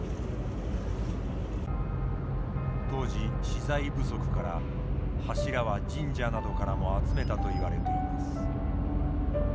当時資材不足から柱は神社などからも集めたといわれています。